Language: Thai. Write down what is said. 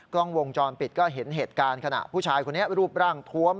กล้องวงจรปิดก็เห็นเหตุการณ์ขณะผู้ชายคนนี้รูปร่างทวม